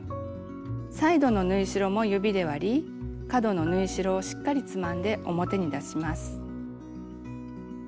サイドの縫い代も指で割り角の縫い代をしっかりつまんで表に出します。